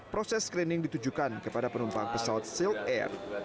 proses screening ditujukan kepada penumpang pesawat silk air